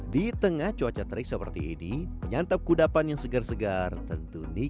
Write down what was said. di tengah cuaca terik seperti ini menyantap kudapan yang segar segar tentu nikmat